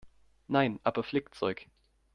Nein, aber Flickzeug.